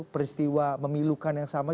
peristiwa memilukan yang sama